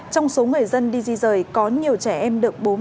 trong số người dân đi di rời có nhiều trẻ em được bốm